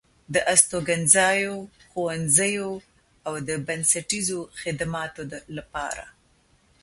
د استوګنځايو، ښوونځيو او د بنسټيزو خدماتو لپاره